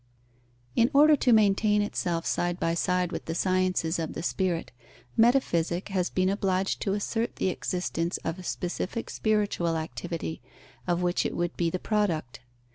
_ In order to maintain itself side by side with the sciences of the spirit, metaphysic has been obliged to assert the existence of a specific spiritual activity, of which it would be the product.